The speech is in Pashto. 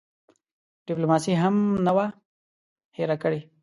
ډیپلوماسي هم نه وه هېره کړې.